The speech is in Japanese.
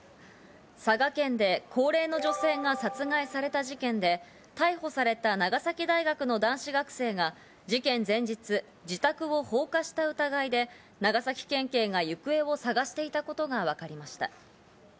佐賀県で高齢の女性が殺害された事件で、逮捕された長崎大学の男子学生が事件前日、自宅を放火した疑いで、長崎県警が行方を捜していたことがわかりました。